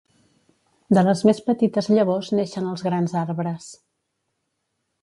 De les més petites llavors neixen els grans arbres.